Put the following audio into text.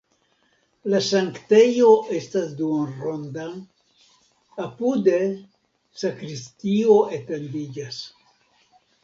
La sanktejo estas duonronda, apude sakristio etendiĝas.